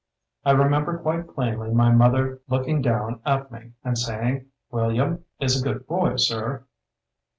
I re member quite plainly my mother look ing down at me and saying, 'William is a good boy, Sir.'